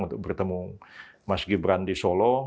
untuk bertemu mas gibran di solo